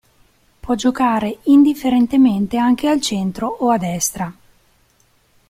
Può giocare indifferentemente anche al centro o a destra.